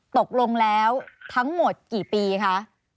ตกลงแล้วทั้งหมดกี่ปีคะ